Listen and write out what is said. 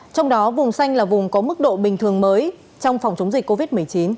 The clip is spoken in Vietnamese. trong đó vùng xanh là vùng có mức độ bình thường mới trong phòng chống dịch covid một mươi chín